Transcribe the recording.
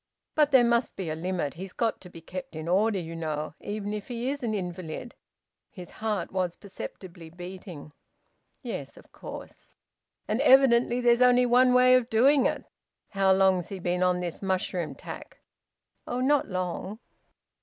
"But there must be a limit. He's got to be kept in order, you know, even if he is an invalid." His heart was perceptibly beating. "Yes, of course." "And evidently there's only one way of doing it. How long's he been on this mushroom tack?" "Oh, not long."